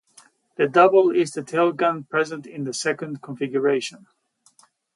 The Double is the tail gun present in the second configuration.